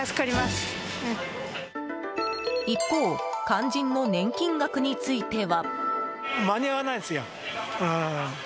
一方肝心の年金額については。